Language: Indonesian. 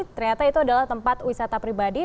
ternyata itu adalah tempat wisata pribadi